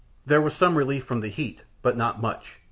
There was some relief from the heat, but not much.